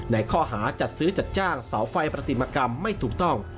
ในข้อหาจัดซื้อจัดจ้างเสาไฟปฏิมกรรมไม่ถูกต้อง